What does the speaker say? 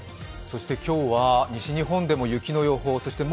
そして今日は西日本でも雪の予報。